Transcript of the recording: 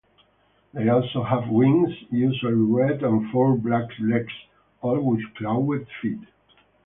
They also have wings, usually red, and four black legs, all with clawed feet.